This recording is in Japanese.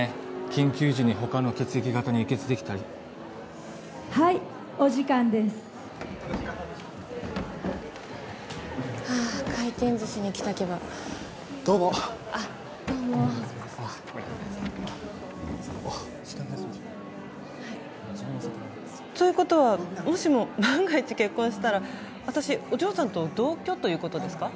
緊急時に他の血液型に輸血できたりはいお時間ですはあ回転寿司に来た気分どうもあっどうもということはもしも万が一結婚したら私お嬢さんと同居ということですか？